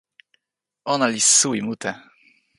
ona li suwi mute!